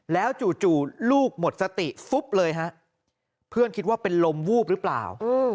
แล้วจู่ลูกหมดสติฟุ๊บเลยฮะเพื่อนคิดว่าเป็นลมวูบหรือเปล่า